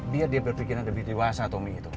biar dia berpikirnya lebih dewasa tommy gitu